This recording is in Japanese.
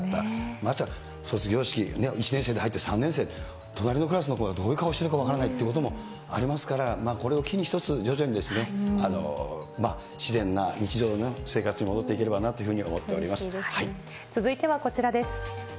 ましてや卒業式、１年生で入って３年生で隣のクラスの子なんて、どういう顔してるか分からないということもありますから、これを機に一つ、徐々に自然な日常の生活に戻っていければなというふうに思ってい続いてはこちらです。